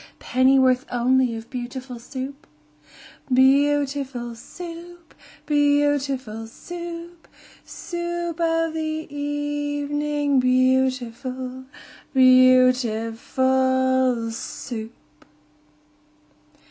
Pennyworth only of beautiful Soup? Beau ootiful Soo oop! Beau ootiful Soo oop! Soo oop of the e e evening, Beautiful, beauti FUL SOUP!